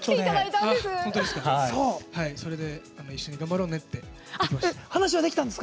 それで、一緒に頑張ろうねって話しました。